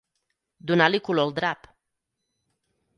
Donar-li color al drap.